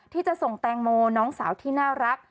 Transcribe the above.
ที่จะส่งแตงโมน้องสาวที่น่ารัก